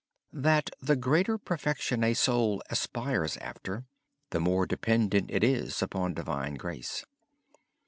The greater perfection a soul aspires after, the more dependent it is upon Divine Grace.